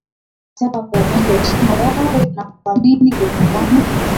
wanataka kuonyesha heshima yao na kukuamini Kulingana